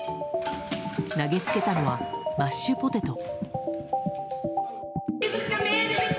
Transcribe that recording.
投げつけたのは、マッシュポテト。